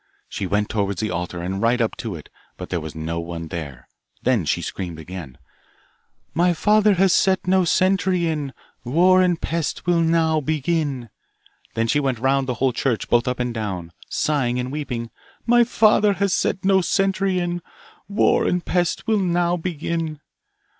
She went towards the altar, and right up to it, but there was no one there; then she screamed again, My father has set no sentry in, War and Pest will now begin. Then she went round the whole church, both up and down, sighing and weeping, My father has set no sentry in, War and Pest will now begin.